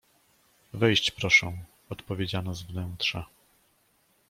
Wejść proszę! — odpowiedziano z wnętrza.